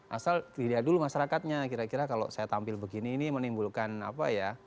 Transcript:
asal dilihat dulu masyarakatnya kira kira kalau saya tampil begini ini menimbulkan apa ya